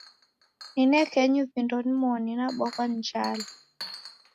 Ninekenyi vindo nimoni nabwaghwa ni njala.